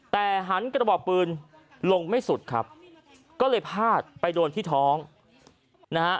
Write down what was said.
แต่หันกระบอกปืนลงไม่สุดครับก็เลยพาดไปโดนที่ท้องนะฮะ